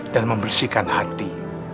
dan membersihkan hati